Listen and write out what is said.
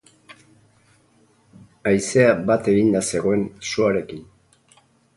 Haizea bat eginda zegoen suarekin.